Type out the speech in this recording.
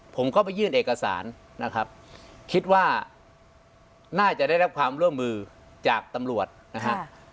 ผมก็ไปยื่นเอกสารนะครับคิดว่าน่าจะได้รับความร่วมมือจากตำรวจนะฮะ